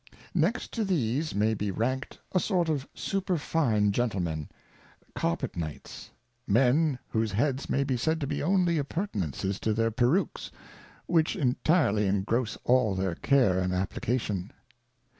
Next to these may be rank'd a sort of superfine Gentle men, Carpet Knights, Men whose Heads may be said to be only Members in Parliament, 153 only Appurtenances to their Perukes^ which intirely ingress all their Care and Application.